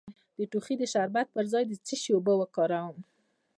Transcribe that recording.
د ټوخي د شربت پر ځای د څه شي اوبه وکاروم؟